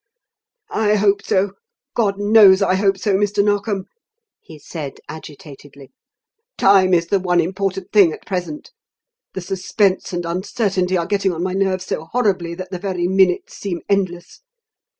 "I hope so God knows I hope so, Mr. Narkom," he said agitatedly. "Time is the one important thing at present. The suspense and uncertainty are getting on my nerves so horribly that the very minutes seem endless.